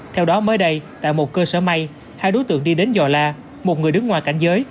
theo đó mới đây tại một cơ sở may hai đối tượng đi đến giò la một người đứng ngoài cảnh giới